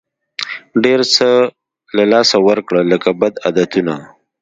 ډېر څه له لاسه ورکړه لکه بد عادتونه.